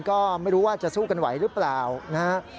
ก็ไม่รู้ว่าจะสู้กันไหวหรือเปล่านะฮะ